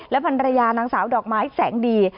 พันรยานางสาวดอกไม้แสงดี